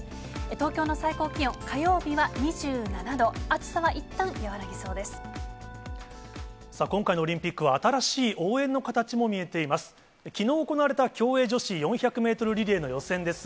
東京の最高気温、火曜日は２７度、さあ、今回のオリンピックは新しい応援の形も見えています。